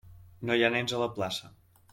No hi ha nens a la plaça!